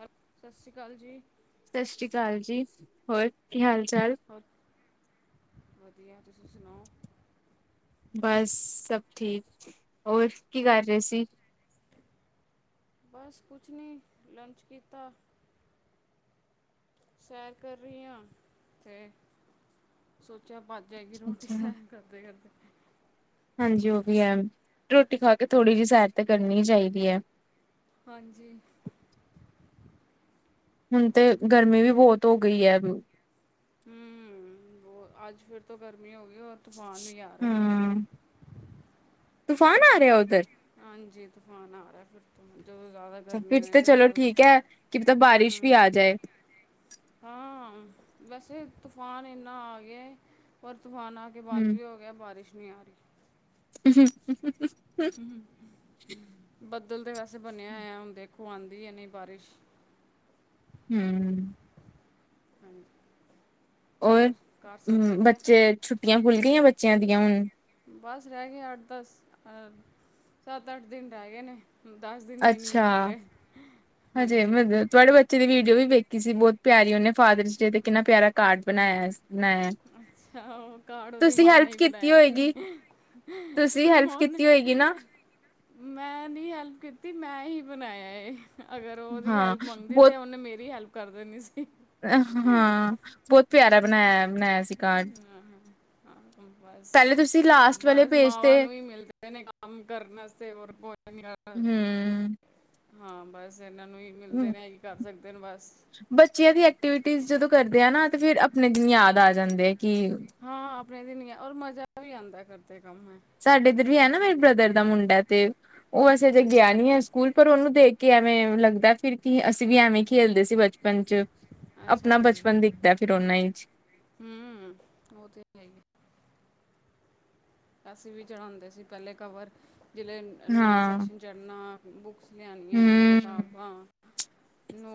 ਸਤਿ ਸ਼੍ਰੀ ਅਕਾਲ ਜੀ ਸਤਿ ਸ੍ਰੀ ਅਕਾਲ ਜੀ ਹੋਰ ਕੀ ਹਾਲ ਕੀ ਹਾਲ ਚਾਲ ਹੋਰ ਤੁਸੀਂ ਸੁਣਾਓ ਬਸ ਸਭ ਠੀਕ ਹੋਰ ਕੀ ਕਰ ਰਹੇ ਸੀ ਬਸ ਕੁਛ ਨੀ ਲੰਚ ਕੀਤਾ ਸੈਰ ਕਰ ਰਹੀ ਹਾਂ ਤੇ ਸੋਚਿਆ ਬਾ ਜਾ ਕੇ ਰੋਟੀ ਸ ਅੱਛਾ। ਕਰਦੇ ਕਰਦੇ, ਹਾਂਜੀ ਉਹ ਵੀ ਹੈ ਰੋਟੀ ਖਾ ਕੇ ਥੋੜ੍ਹੀ ਜਿਹੀ ਸੈਰ ਤੇ ਕਰਨੀ ਹੀ ਚਾਹੀਦੀ ਹੈ। ਹਾਂਜੀ, ਹੁਣ ਤੇ ਗਰਮੀ ਵੀ ਬਹੁਤ ਹੋ ਗਈ ਹੈ। ਹੂੰ ਅੱਜ ਫਿਰ ਤੋਂ ਗਰਮੀ, ਹੋਗੀ ਉਹ ਤੂਫਾਨ ਵੀ ਆ ਰਿਹਾ। ਹੂੰ। ਤੂਫਾਨ ਆ ਰਿਹਾ ਉੱਧਰ? ਹਾਂਜੀ ਤੂਫਾਨ ਆ ਰਿਹਾ ਫਿਰ, ਜਦੋਂ ਜ਼ਿਆਦਾ ਗਰਮੀ ਫਿਰ ਹੋਏ ਤੇ ਚਲੋ ਉਦੋਂ ਠੀਕ ਹੈ। ਕਿ ਪਤਾ ਹੂੰ ਬਾਰਿਸ਼ ਵੀ ਆ ਜਾਏ, ਹਾਂ। ਵੈਸੇ ਤੂਫਾਨ ਇੰਨਾ ਆ ਗਿਆ। ਤੂਫਾਨ ਆ ਕੇ ਬੰਦ ਹੂੰ। ਵੀ ਹੋ ਗਿਆ ਬਾਰਿਸ਼, [unintelligible] [unintelligible] ਹੂੰ, [unintelligible] ਬਣਿਆ ਹੋਆ ਹੁੰਦੇ। ਖੁਆਦੀ ਐ ਨਹੀਂ ਬਾਰਿਸ਼ ਹੂੰ, ਹਾਂਜੀ, ਔਰ ਘਰ ਸਭ [unintelligible] ਵਧੀਆ ਬੱਚੇ ਛੁੱ [unintelligible] [unintelligible] ਬੱਚਿਆਂ ਦੀਆਂ ਹੁਣ, ਬਸ ਰਹਿ ਗਏ ਅੱਠ ਦਸ ਸੱਤ ਅੱਠ ਦਿਨ ਰਹਿ ਗਏ ਨੇ, ਦਿਨ ਵੀ ਨਹੀਂ ਅੱਛਾ ਹੈ ਪੂਰੇ ਹਜੇ ਹਾਂਜੀ ਮਤਲਬ ਤੁਹਾਡੇ ਬੱਚੇ ਦੀ ਵੀਡੀਓ ਵੀ, ਵੇਖੀ ਸੀ ਬਹੁਤ ਪਿਆਰੀ ਉਹਨੇ ਫਾਦਰਸ ਡੇ ਤੇ ਕਿੰਨਾ ਪਿਆਰਾ ਕਾਰਡ ਬਣਾਇਆ ਸੀ। ਅੱਛਾ ਉਹ ਕਾਰਦ ਔਦੀ ਤੁਸੀਂ ਮਾਂ ਹੈਲਪ ਨੇ ਕੀਤੀ ਬੁਨਾਇਆ ਸੀ ਹੋਏਗੀ ਤੁਸੀਂ ਹੈਲਪ ਨੇ, ਕੀਤੀ ਹੋਏਗੀ ਨਾ ਮੈਂ ਨੀ ਹੈਲਪ ਕੀਤੀ ਮੈਂ ਹੀ ਬਣਾਇਆ। ਅਗਰ ਉਹਦੀ ਹਾਂ ਹੈਲਪ ਮੰਗਦੀ ਬਹੁਤ ਤਾਂ ਉਹਨੇ ਮੇਰੀ ਹੈਲਪ ਕਰ ਕਰਦੇ ਦੇਣੀ ਸੀ, ਹਾਂ ਬਹੁਤ ਪਿਆਰਾ ਬਣਾਇਆ ਬਣਾਇਆ ਸੀ। ਕਾਰਡ ਹਮ ਬਸ ਪਹਿਲੇ ਤੁਸੀਂ ਲਾਸਟ ਵਾਲੇ ਬਸ ਪੇਜ ਤੇ ਮਾਵਾਂ ਨੂੰ ਹੀ ਮਿਲਦੇ ਨੇ ਕੰਮ ਕਰਨ ਵਾਸਤੇ ਹੋਰ ਭੋਜਨ ਹਮ ਹਾਂ ਬਸ, ਕਿਸ ਇਹਨਾਂ ਨੂੰ ਹੀ ਮਿਲਦੇ ਨੇ ਹੀ ਕਰ ਸਕਦੇ। ਦਿਨ ਬਸ, ਬੱਚਿਆਂ ਦੀ ਐਕਟੀਵਿਟੀ ਜਦੋਂ ਕਰਦੇ ਆ ਨਾ ਤੇ ਫਿਰ ਆਪਣੇ ਦਿਨ ਯਾਦ ਆ ਜਾਂਦੇ। ਕੀ, ਕਹਿ ਦਿਨੀਂ ਆ ਔਰ ਮਜ਼ਾ ਵੀ ਆਂਦਾ ਕਰਦਾ ਸਾਡੇ ਇੱਧਰ ਵੀ ਹੈ ਨਾ ਮੇਰੇ ਬ੍ਰਦਰ ਦਾ ਮੁੰਡਾ ਤੇ ਉਹ ਅਸੀਂ ਅਜੇ ਗਿਆ ਨਹੀਂ ਹੈ ਸਕੂਲ, ਪਰ ਉਹਨੂੰ ਦੇਖ ਕਿ ਐਵੇਂ ਲੱਗਦਾ ਫਿਰ ਕੀ ਅਸੀਂ ਵੀ ਐਵੇਂ ਖੇਲਦੇ ਸੀ, ਬਚਪ ਬਚਪਨ 'ਚ ਆਪਣਾ ਬਚਪਨ ਬਚਪਨ ਦਿਖਦਾ ਫਿਰ ਉਹਨਾਂ ਹੀ 'ਚ। ਹਮ ਉਹ ਤੇ ਹੈਗੀ। ਅਸੀ ਵੀ ਚੜਾਉਂਦੇ ਸੀ ਪਹਿਲੇ ਕਵਰ। ਜਿਵੇਂ ਨਵਾਂ ਹਾਂ ਸੈਸ਼ਨ ਚੜ੍ਹਨਾ। ਬੁਕ ਲਿਆਣੀਆਂ ਹਮ ਕਿਤਾਬਾਂ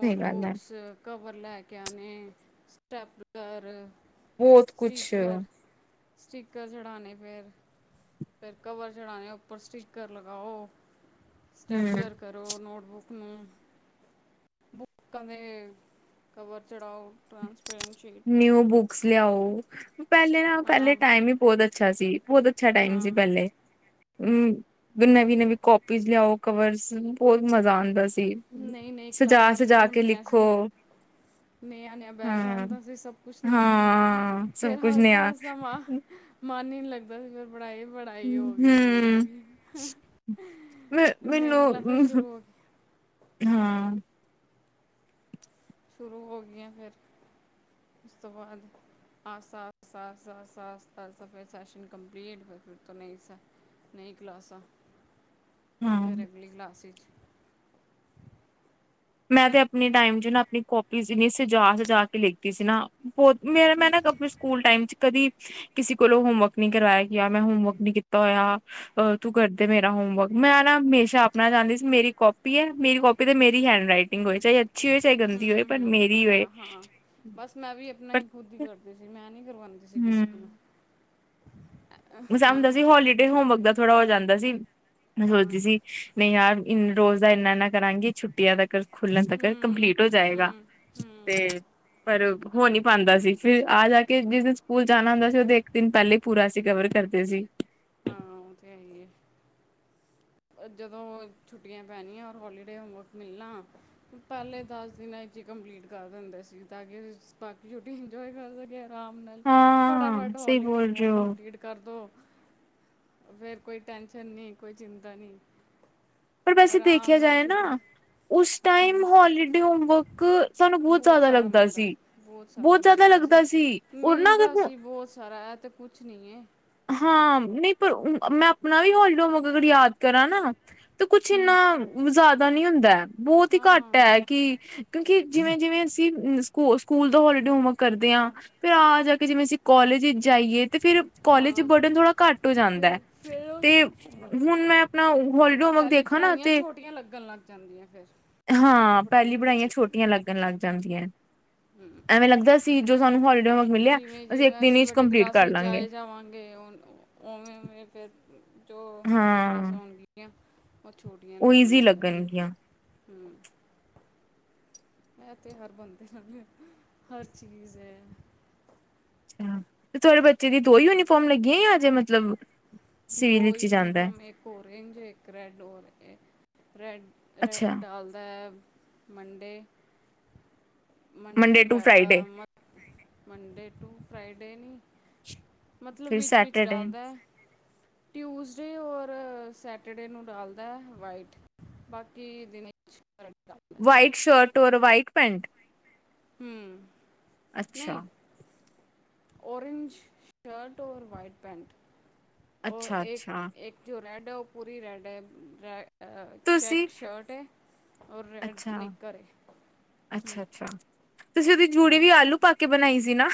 ਸਹੀ ਗੱਲ ਹੈ ਕਵਰ ਲੈ ਕੇ ਆਉਣੇ, ਸਟੈਪਲਰ ਬਹੁਤ ਕੁੱਛ। ਸਟੀਕਰ ਸਟੀਕਰ ਚੜ੍ਹਾਣੇ ਫਿਰ ਫ਼ਿਰ ਕਵਰ ਚੜਾਉਣੇ ਉੱਪਰ ਸਟੀਕਰ ਲਗਾਓ। ਹੂੰ ਸਟੈਪਲਰ ਕਰੋ, ਨੋਟ ਬੁੱਕ ਨੂੰ। ਕਮਰੇ ਦੇ ਕਵਰ ਚੜਾਓ ਟ੍ਰਾਂਸਪੇਰੈਂਟ ਸ਼ੀਟ ਨਿਊ ਬੁੱਕਸ ਲਿਆਓ, ਪਹਿਲੇ ਨਾ ਪਹਿਲੇ ਹਾਂ ਟਾਈਮ ਹੀ ਬਹੁਤ ਅੱਛਾ ਸੀ, ਬਹੁਤ ਅੱਛਾ ਟਾਈਮ ਸੀ ਹਾਂ ਪਹਿਲੇ। ਹਮ ਨਵੀਂ ਨਵੀਂ ਕਾਪੀਜ਼ ਲਿਆਓ, ਕਵਰਸ, ਬਹੁਤ ਮਜ਼ਾ ਆਉਂਦਾ ਸੀ। ਨਹੀਂ ਨਹੀਂ ਕਲਾਸਾਂ ਸ਼ੁਰੂ ਸਜਾ-ਸਜਾ ਕੇ ਹੁੰਦੀਆਂ ਲਿਖੋ ਸੀ, ਨਹੀਂ ਏਹ ਨਯਾ ਬੈਗ ਹਾਂ ਆਂਦਾ ਸੀ, ਸਭ ਕੁਛ ਨੇਆ ਨੇਆ ਹਾਂ ਸਭ ਫੇਰ ਕੁਝ ਹੱਸਦਾ ਨਿਆ ਹਸਦਾ ਸਮਾਂ ਮਨ ਹੀ ਨਹੀਂ ਲੱਗਦਾ ਸੀ। ਪੜ੍ਹਾਈ ਪੜ੍ਹਾਈ ਹੋ ਹੂੰ ਗਈ, ਨਹੀਂ ਕਲਾਸਾਂ ਸ਼ੁਰੂ ਹੋ ਗਈਆਂ। ਹਾਂ। ਸ਼ੁਰੂ ਹੋ ਗਈਆਂ ਫਿਰ, ਉਸ ਤੋਂ ਬਾਅਦ ਫਿਰ ਸੈਸ਼ਨ ਕੰਪਲੀਟ, ਫਿਰ ਫਿਰ ਤੋਂ ਨਈ ਨਈ ਕਲਾਸਾਂ। ਫ਼ਿਰ ਅਗਲੀ ਕਲਾਸ ਵਿਚ। ਮੈਂ ਤੇ ਆਪਣੇ ਟਾਈਮ 'ਚ ਨਾ ਆਪਣੀ ਕੋਪੀਜ਼ ਏਨੀ ਸਜਾ ਸਜਾ ਕੇ ਲਿਖਦੀ ਸੀ ਨਾ। ਬਹੁਤ ਮੇਰਾ ਮੈਂ ਨਾ ਆਪਣੇ ਸਕੂਲ ਟਾਈਮ 'ਚ ਕਦੀ ਕਿਸੇ ਕੋਲੋਂ ਹੋਮਵਰਕ ਨਹੀਂ ਕਰਵਾਇਆ ਗਿਆ, ਮੈਂ ਹੋਮਵਰਕ ਨਹੀਂ ਕੀਤਾ ਹੋਇਆ ਅ ਤੂੰ ਕਰਦੇ ਮੇਰਾ ਹੋਮਵਰਕ, ਮੈਂ ਨਾ ਹਮੇਸ਼ਾ ਆਪਣਾ ਚਾਹੁੰਦੀ ਸੀ ਮੇਰੀ ਕਾਪੀ ਹੈ, ਮੇਰੀ ਕਾਪੀ ਤੇ ਮੇਰੀ ਹੈਂਡ ਰਾਈਟਿੰਗ ਹੋਏ ਚਾਹੇ ਅਜ ਹਮ-ਹਮ ਹਾਂ-ਹਾਂ ਬਸ ਮੈਂ ਵੀ ਆਪਨਾ ਪਰ ਹੀ ਖੁੱਦ ਹੀ ਕਰਦੀ ਸੀ ਮੈਂ ਨੀ ਕਰਵਾਉਦੀ ਸੀ ਕਿਸੇ ਕੋਲੋਂ। ਹਮ [unintelligible] ਹਾਂ ਸੀ ਹੋਲੀੇ ਹੋਮਵਰਕ ਦਾ ਥੋੜਾ ਹੋ ਜਾਂਦਾ ਸੀ। ਮੈਂ ਹਾਂ ਸੋਚਦੀ ਸੀ ਨਹੀਂ ਯਾਰ ਇ ਰੋਜ਼ ਦਾ ਇੰਨਾ-ਇੰਨਾ ਕਰਾਂਗੀ ਛੁੱਟੀਆਂ ਤੱਕ ਖੁਲਣ ਤੱਕ ਹੂੰ ਕੰਪਲੀਟ ਹੋ ਜਾਏਗਾ ਹੂੰ ਤੇ ਹੂੰ ਪਰ ਹੋ ਨੀ ਪਾਂਦਾ ਫਿਰ ਆ ਜਾ ਕੇ ਜਿਸ ਦਿਨ ਸਕੂਲ ਜਾਣਾ ਹੁੰਦਾ ਸੀ ਉਹਦੇ ਇੱਕ ਦਿਨ ਪਹਿਲੇ ਹੀ ਪੂਰਾ ਸੀ ਕਵਰ ਕਰਦੇ ਸੀ। ਹਾਂ ਉਹ ਤੇ ਹੈ ਹੀ ਹੈ ਜਦੋਂ ਛੁੱਟੀਆਂ ਪੈਣੀਆਂ ਹੋਰ ਹੋਲੀਡੇ ਹੋਮਵਰਕ ਮਿਲਣਾ ਪਹਿਲੇ ਦਸ ਦਿਨਾਂ ਚ ਹੀ ਕੰਪਲੀਟ ਕਰ ਦਿੰਦੇ ਸੀ ਤਾਂ ਕਿ ਬਾਕੀ ਛੁੱਟੀ ਇੰਜੋਏ ਕਰ ਸਕੇ। ਆਰਾਮ ਨਾਲ ਹਾਂ ਫਟਾਫਟ ਸਹੀ ਹੋਲੀਡੇ ਬੋਲ ਰਹੇ ਹੋਮਵਰਕ ਹੋ ਕੰਪਲੀਟ ਕਰ ਦਿਉ। ਫੇਰ ਕੋਈ ਟੈਂਨਸ਼ਨ ਨੀ ਕੋਈ ਚਿੰਤਾ ਨੀ। ਪਰ ਵੈਸੇ ਦੇਖਿਆ ਜਾਏ ਨਾ ਉਸ ਟਾਈਮ ਹੂੰ ਹੋਲੀਡੇ ਹੋਮਵਰਕ ਸਾਨੂੰ ਬਹੁਤ ਜਾਦਾ ਸਾਰਾ ਲੱਗਦਾ ਮਿਲਦਾ ਸੀ ਸਾਰਾ ਬਹੁਤ ਜਾਦਾ ਮਿਲਦਾ ਲੱਗਦਾ ਸੀ ਔਰ ਨਾ ਮਿਲਦਾ ਅਗਰ ਸੀ ਬਹੁਤ ਸਾਰਾ ਇਹ ਤੇ ਕੁਝ ਨਹੀਂ ਹੈ ਹਾਂ ਨਹੀਂ ਪਰ ਮੈਂ ਆਪਣਾ ਵੀ ਹੋਲੀਡੋ ਯਾਦ ਕਰਾ ਨਾ ਤੇ ਕੁੱਛ ਇੰਨਾ ਹੂੰ ਜਾਦ ਤਾ ਨਹੀ ਹੁੰਦਾ। ਬਹੁਤ ਹੀ ਘੱਟ ਹਾਂ ਹੈ ਕਿ ਕਿਉਂਕਿ ਜਿਵੇਂ-ਜਿਵੇਂ ਅਸੀਂ ਸਕੂ ਸਕੂਲ ਦਾ ਹੋਲੀਡੇ ਹੋਮਵਰਕ ਕਰਦੇ ਹਾਂ ਫਿਰ ਆ ਜਾ ਕੇ ਕਿ ਜਿਵੇਂ ਅਸੀਂ ਕੋਲੇਜ ਜਾਈਏ ਤੇ ਫਿਰ ਕਾਲਜ ਚ ਹਾਂ ਬਰਡਨ ਥੋੜਾ ਘੱਟ ਹੋ ਜਾਂਦਾ ਹੈ ਫਿਰ ਫਿਰ ਉਹ ਤੇ ਹੁਣ ਮੈਂ ਆਪਣਾ ਹੋਲੀਡੇ ਹੋਮਵਰਕ ਪਹਿਲੀ ਦੇਖਾ ਨਾ ਪੜ੍ਹਾਈਆਂ ਤੇ, ਛੋਟੀਆਂ ਲੱਗਣ ਲੱਗ ਜਾਂਦੀਆਂ ਫਿਰ ਹਾਂ ਪਹਿਲੀ ਪੜਾਈਆਂ ਛੋਟੀਆਂ ਲੱਗਨ ਲਗ ਜਾਂਦੀਆਂ। ਹੂੰ ਐਵੇਂ ਲੱਗਦਾ ਸੀ ਜੋ ਸਾਨੂੰ ਹੋਲੀਡੇ ਵਰਗ ਮਿਲਿਆ ਅਸੀਂ ਇੱਕ ਦਿਨ ਕੰਪਲੀਟ ਕਰਲਾਂਗੇ। ਪਾਵਾਂਗੇ ਉਵੇਂ ਵੇਂ ਫੇਰ ਜੋ ਪਹਿਲੀ ਹਾਂ ਕਲਾਸਾਂ ਹੋਣਗਗੀਆਂ ਬਹੁ ਛੋਟੀਆਂ ਉਹ ਲਗਨ ਈਜ਼ੀ ਲਗ ਜਾਂਦੀਆਂ। ਲੱਗਣਗੀਆਂ ਐ ਤੇ ਹਰ ਬੰਦੇ ਨਾਲ ਹਰ ਚੀਜ਼ ਹੈ। ਹਾਂ ਤੁਹਾਡੇ ਬੱਚੇ ਦੀ ਦੋ ਹੀ ਯੂਨੀਫਾਰਮ ਲੱਗੀਆਂ ਯਾ ਹਜੇ ਮਤਲਬ ਦੋ ਸਿਵਲ ਵਿੱਚ ਹੀ ਜਾਂਦਾ ਹੈ ਯੂਨੀਫਾਰਮ ਇੱਕ ਓਰੇਂਜ ਇੱਕ ਰੈੱਡ ਔਰ ਰੈਡ, ਰੈੱਡ ਅੱਛਾ ਡਾਲਦਾ ਮੰਡੇ। ਮੰਡੇ ਵ ਟੂ ਫਰਾਈਡੇ ਮੰਡੇ ਟੂ ਫ੍ਰ ਡੇਨੀ। ਮਤਲਬ ਫਿਰ ਵਿੱਚ-ਵਿੱਚ ਸੈਟਰਡੇ ਡਾਲਦਾ। ਟਿਊਜ਼ਡੇ ਔਰ ਸੈਟਰਡੇ ਨੂੰ ਡਾਲਦਾ ਹੈ ਵਾਈਟ ਬਾਕੀ ਦਿਨ ਚ- ਹੋਰ ਵਾਈਟ ਪੈਂਟ- ਹੂੰ ਨਹੀਂ ਅੱਛਾ ਓਰੇਂਜ ਸ਼ਰਟ ਔਰ ਵਾਈਟ ਪੈੈਂਟ ਉਹ ਅੱਛਾ ਅੱਛਾ ਇੱਕ-ਇੱਕ ਜੋ ਰਹਿਣ- ਉਹ ਪੂਰੀ ਰੈੱਡ ਹੈ ਰੈ- ਤੁਸੀਂ ਚੈੱਕ ਸ਼ਰਟ ਹੈ ਔਰ ਰੈਡ ਅੱਛਾ ਨਿਕਰ ਏ ਅੱਛਾ ਅੱਛਾ ਤੁਸੀਂ ਉਹਦੀੂ ਜੂੜੀ ਵੀ ਆਲੂ ਪਾ ਕੇ ਬਣਾਈ ਸੀ ਦਿਨਾਂ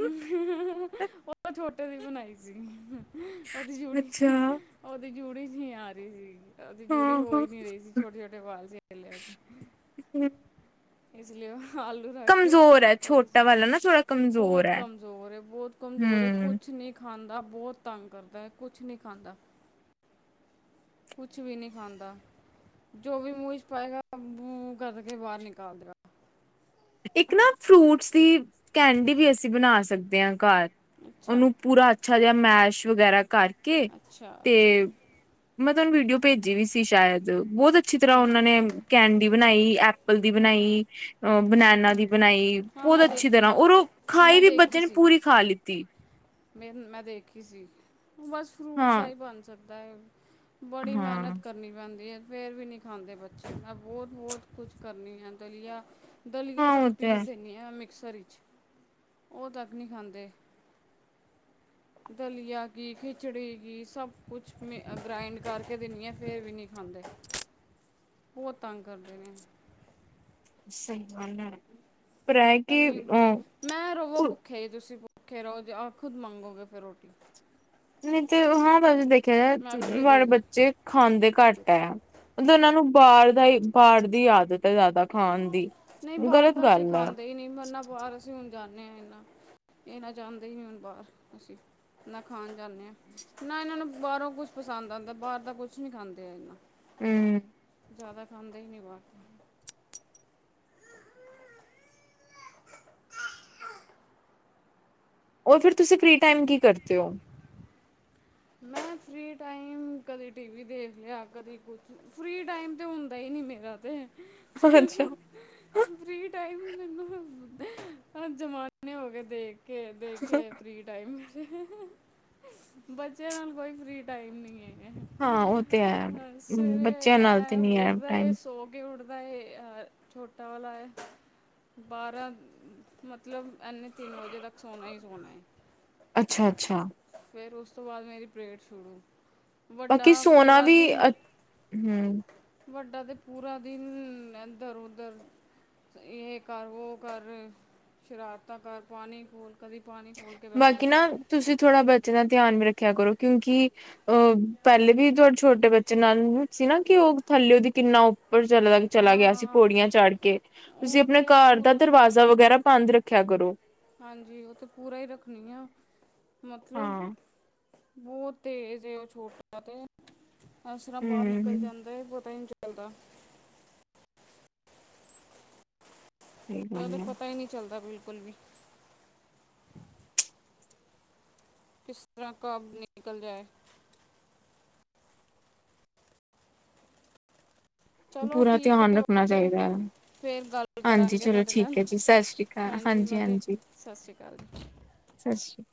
ਉਹ ਛੋਟੇ ਦੀ ਬਣਾਈ ਸੀਗੀ ਉਹਦੀ ਜੂੜੀ ਅੱਛਾ ਉਹਦੀ ਜੂੜੀ ਸੀ ਆ ਰਹੀ ਸੀਗੀ ਅਂ ਜੂੜੀ ਹਾਂ ਹੋ ਹਾਂ ਹੀ ਨੀ ਰਹੀ ਸੀ ਛੋਟੇ-ਛੋਟੇ ਵਾਲ ਸੀੇ ਲਿਆ ਇਸ ਲਈ ਉਹ ਆਲੂ ਰੱਖ ਕੇ ਕਮਜ਼ੋਰ ਹੈ ਛੋਟਾ ਵਾਲਾ ਨਾ ਥੋੜਾ ਕਮਜ਼ੋਰ ਬਹੁਤ ਹੈ ਕਮਜ਼ੋਰ-ਬਹੁਤ ਕਮਜ਼ੋਰ ਹਮ ਕੁਛ ਨੀ ਖਾਂਦਾ ਬਹੁਤ ਤੰਗ ਕਰਦਾ ਹੈ ਕੁਛ ਨਹੀਂ ਖਾਂਦਾ ਕੁਛ ਵੀ ਨਹੀਂੀ ਖਾਂਦਾ ਜੋ ਵੀ ਮੁਹ ਚ ਪਾਏਗਾ ਊ ਊ ਕਰ ਕੇ ਬਾਹਰ ਨਿਕਾਲਦਾ ਇੱਕ ਨਾ ਫਰੂਟਸ ਦੀ ਕੈਂਡੀ ਵੀ ਅਸੀਂ ਬਣਾ ਸਕਦੇ ਹਾਂ ਘਰ ਅੱਛਾ ਉਹਨੂੰ ਪੂਰਾ ਅੱਛਾ ਜਿਹਾ ਮੈਸ਼ ਵਗੈਰਾ ਕਰਕੇ ਕੇ ਅੱਛਾ ਅੱਛਾ ਤੇ ਜੀ ਮ ਵੀਡੀਓ ਭੇਜੀ ਵੀ ਸੀ ਸ਼ਾਇਦ ਬਹੁਤ ਅੱਛੀ ਤਰ੍ਹਾਂ ਹੂੰ ਉਹਨਾਂ ਹੂੰ ਨੇ ਕੈਂਡੀ ਬਣਾਈ ਐਪਲ ਦੀ ਹੂੰ ਬਣਾਈ ਹੂੰ ਅ ਬਨੈਨਾ ਦੀ ਬਣਾਈ ਹਾਂ ਬਹੁਤ ਮੈਂ ਅੱਛੀ ਦੇਖੀ ਤਰ੍ਹਾਂ ਔਰ ਉਹ ਖਾਈ ਵੀ ਬੱਚੇ ਨੇ ਪੂਰੀ ਖਾ ਲਿੱਤੀ ਮੇ ਮੈਂ ਦੇਖੀ ਸੀ ਬਸ ਫਰੂਟਸ ਹਾਂ ਦਾ ਹੀ ਬਣ ਸਕਦਾ [unintelligible] ਬੜੀ ਹਾਂ ਮਿਹਨਤ ਕਰਨੀ ਪੈਂਦੀ ਏ- ਫਰ ਵੀ ਨਹੀਂੀ ਖਾਂਦੇ ਬੱਚੇ ਬਹੁਤ-ਬਹੁਤ ਕੁਛ ਕਰਨੀ ਆ ਦਲੀਆ ਦਲੀਆਂ ਹਾਂ ਤਕ ਉਹ ਤੇ ਹੈ ਪੀਸ ਦਿੰਦੇ ਹਾਂ ਮਿਕ ਮਿਮਕਸਰ ਚ ਉਹ ਤੱਕ ਨਹੀਂ ਖਾਂਦੇ ਦਲੀਆ ਕੀ ਖਿਚੜੀ ਕੀ ਸਭ ਕੁਛ ਮ ਗ੍ਰਾਇੰਡ ਕਰਕੇ ਦਿਣੀ ਹਾਂ ਫਿਰ ਵੀ ਨਹੀਂ ਖਾਂਦੇ ਬਹੁਤ ਤੰਗ ਕਰਦੇ ਨੇ ਸਹੀ ਗੱਲ ਐ ਪਤਾ ਨੀ ਮੈਂ ਰਵੋ ਕੁ- ਭੁੱਖੇ ਹੀ ਤੁਸੀਂ ਖੇ ਰੋਜ਼ ਆ ਖੁਦ ਮੰਗੋਗੇ ਫਿਰ ਰੋਟੀ ਨ ਤੇ ਉਹਨਾਂ ਦਾ ਵਿ ਦੇਖ ਮੈਂ ਵੀ ਨਹੀਂ ਵਾਲੇ ਦੇ ਰਹੀ ਬੱਚੇ ਖਾਂਦੇ ਘੱਟ ਹੈ ਉਹਨਾਂ ਨੂੰ ਬਾਹਰ ਬਾਹਰ ਦੀ ਆਦਤ ਹੈ ਜ਼ਿਆਦਾ ਖਾਣ ਦੀ ਨਹੀਂ ਬਾਹਰ ਗ਼ਲਤ ਤਾਂਸੀ ਸ ਗੱਲ ਹੈ ਖਾਂਦੇ ਹੀ ਨਹੀਂ ਮਨਾ ਬਾਹਰ ਅਸੀਂ ਹੁਣ ਜਾਂਦੇ ਹਾਂ ਇਹਨਾ ਇਹ ਨਾ ਚਾਹੁੰਦੇ ਹੀ ਨੀ ਹੁਣ ਬਾਹਰ ਅਸੀਂ ਨਾ ਖਾਣ ਜਾਂਦੇ ਹਾਂ ਨਾ ਇਹਨਾਂ ਨੂੰ ਬਾਹਰੋਂ ਕੁਛ ਪਸੰਦ ਆਉਂਦਾ ਬਾਹਰ ਦਾ ਕੁਛ ਨੀ ਖਾਂਦੇ ਆ ਇਹਨਾ ਹੂੰ, ਜ਼ਿਆਦਾ ਖਾਦੇ ਹੀ ਨਹੀਂ ਬਾਰ ਦਾ ਉਹ ਫਿਰ ਤੁਸੀਂ ਫੀ ਟਾਈਮ ਕੀ ਕਰਦੇ ਹੋ। ਮੈਂ ਫਰੀ ਟਾਈਮ ਕਦੇ ਟੀਵੀ ਦੇਖ ਲਿਆ ਕਦੀ ਕੁਛ ਫਰੀ ਟਾਈਮ ਤੇ ਹੁੰਦਾ ਹੀ ਨੀ ਮੇਰਾ ਤੇ ਅੱਛਾ, ਹ ਜ਼ਮਾਨੇ ਹੋ ਗਏ ਦੇਖ। ਖੇਡ ਦੇਖੇ ਫਰੀ ਟਾਈਮ, [unintelligible] ਬੱਚੇ ਨਾਲ ਕੋਈ ਫਰੀ ਟਾਈਮ ਨਹੀਂ ਹੈ। ਹਾਂ ਉਹ ਤੇ ਹੈ ਅਹ ਸਵੇਰੇ ਬੱਚਿਆਂ ਨਾਲ ਤੇ ਨੀ ਹੈ ਉੱਠਦਾ ਏ ਟਾਈਮ, ਸੋ ਕੇ ਉੱਠਦਾ ਦਾ ਇਹ ਛੋਟਾ ਵਾਲਾ ਹੈ ਬਾਰਾਂ ਮਤਲਬ ਇਨੇ ਤਿੰਨ ਵਜੇ ਤੱਕ ਸੋਨਾ ਹੀ ਸੋਨਾ ਹੈ। ਅੱਛਾ ਅੱਛਾ, ਪੈਰੋਸ, ਉਸ ਤੋਂ ਬਾਅਦ ਮੇਰੀ ਪਰੇਡ ਛੜੂ ਬਾਕੀ ਸੋਨਾ ਵੀ ਅ ਹੂੰ, ਵੱਡਾ ਤਾਂ ਪੂਰਾ ਦਿਨ ਇੱਧਰ ਉੱਧਰ ਇਹ ਕਰ ਵੋ ਕਰ ਸ਼ਰਾਰਤਾਂ ਕਰ ਪਾਣੀ ਖੋਲ ਕਦੀ ਪਾਣੀ ਖੋਲ ਕੇ ਬਹਿ ਬਾਕੀ ਜਾਏ ਨਾ ਤੁਸੀਂ ਥੋੜ੍ਹਾ ਬਚਣਾ। ਧਿਆਨ ਵੀ ਰੱਖਿਆ ਕਰੋ ਕਿਉਂਕਿ ਅਹ ਪਹਿਲੇ ਵੀ ਤੁਹਾਡੇ ਛੋਟੇ ਬੱਚੇ ਨਾਲ ਸੀ ਨਾ ਕਿ ਉਹ ਥੱਲੇ ਉਹਦੀ ਕਿੰਨਾ ਉੱਪਰ ਚਲਾ ਚਲਾ ਹਾਂ ਗਿਆ ਸੀ ਹਾਂ ਪੌੜੀਆਂ ਚੜ੍ਹ ਕੇ ਤੁਸੀਂ ਉਹ ਆਪਣੇ ਤੇ ਘਰ ਦਾ ਪੂਰਾ ਦਰਵਾਜ਼ਾ ਵਗੈਰਾ ਬੰਦ ਰੱਖ। ਸਿਖਿਆ ਕਰੋ। ਹਾਂਜੀ ਉਹ ਤੇ ਪੂਰਾ ਹੀ ਰੱਖਣੀ ਆ। ਮਤਲਬ, ਹਾਂ ਬਹੁਤ ਤੇਜ ਉਹ ਛੋਟਾ ਤੇ ਇਸ ਤਰ੍ਹਾਂ ਬਾਹਰ ਨਿਕਲ ਹਮ ਜਾਂਦਾ ਏ ਪਤਾਹੀ ਨਹੀਂ ਚਲਦਾ, ਸਹੀ ਗੱਲ ਤਾਂ ਹੈ ਪਤਾ ਹੀ ਨੀ ਚੱਲਦਾ ਬਿਲਕੁਲ ਬਿਲਕੁਲ ਕੁੁਲ ਵੀ ਕਿਸ ਤਰ੍ਹਾਂ ਕਬ ਨਿਕਲ ਜਾਏ। ਚਲੋ ਪੂਰਾ ਠੀਕ ਧਿਆਨ ਹੈ ਰੱਖਣਾ ਓਕੇ ਚਾਹੀਦਾ ਹੈ ਫੇਰ ਗੱਲ ਹਾਂਜੀ ਕਰਾਂਗੇ ਚਲੋ ਤੁਹਾਡੇ ਨਾਲ ਠੀਕ ਹੈ ਜੀ ਸਤਿ ਸ੍ਰੀ ਅਕਾਲ ਹਾਂਜੀ ਮੈਂ ਦੇਖ ਹਾਂਜੀ ਸਤਿ ਸ਼੍ਰੀ ਅਕਾਲ ਜੀ ਸਤਿ ਸ੍ਰੀ